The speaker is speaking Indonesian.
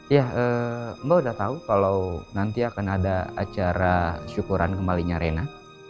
ya mbak udah tahu kalau nanti akan ada acara syukuran kembalinya rena